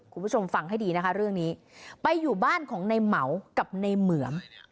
คุณผู้ชมฟังให้ดีนะคะเรื่องนี้ไปอยู่บ้านของในเหมากับในเหมือม